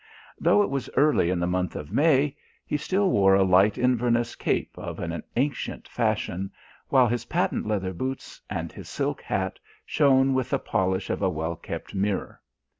Though it was early in the month of May, he still wore a light Inverness cape of an ancient fashion, while his patent leather boots and his silk hat shone with the polish of a well kept mirror.